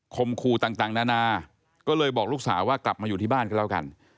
คู่ต่างนานาก็เลยบอกลูกสาวว่ากลับมาอยู่ที่บ้านกันแล้วกัน